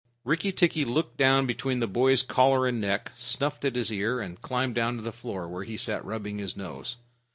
Rikki tikki looked down between the boy's collar and neck, snuffed at his ear, and climbed down to the floor, where he sat rubbing his nose.